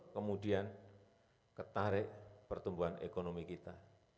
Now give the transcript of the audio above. kemudian ketarik pertumbuhan ekonomi kita